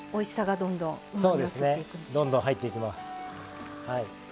どんどん入っていきます。